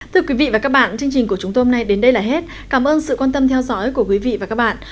thưa quý vị và các bạn chương trình của chúng tôi hôm nay đến đây là hết cảm ơn sự quan tâm theo dõi của quý vị và các bạn